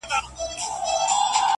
ښاخ پر ښاخ پورته کېدى د هسک و لورته!